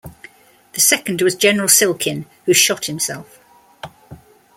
The second was General Silkin, who shot himself.